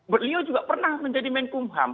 beliau juga pernah menjadi menkumham